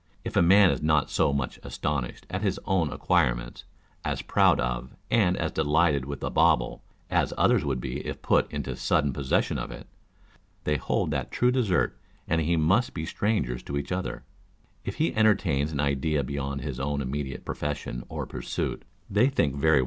If a man is not so much astonished at his own acquirements â€" as proud of and as delighted with the bauble, as others would be if put into sudden possession of it, they hold that true desert and he must be strangers to each other : if he entertains an idea beyond his own immediate profession or pursuit, they think very t to Success in Life.